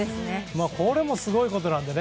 これもすごいことなのでね。